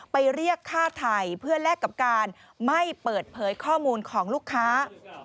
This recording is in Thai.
เรียกค่าไทยเพื่อแลกกับการไม่เปิดเผยข้อมูลของลูกค้า